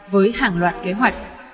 với hàng loạt kế hoạch